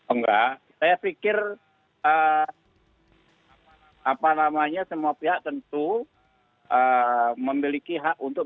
enggak saya pikir apa namanya semua pihak tentu memiliki hak untuk